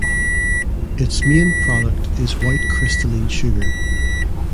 Its main product is white crystalline sugar.